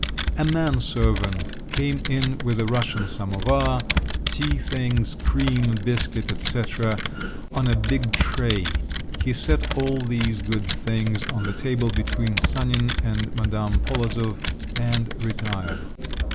A man servant came in with a Russian samovar, tea things, cream, biscuits, etc., on a big tray; he set all these good things on the table between Sanin and Madame Polozov, and retired.